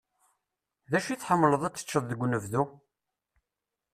D acu i tḥemmleḍ ad t-teččeḍ deg unebdu?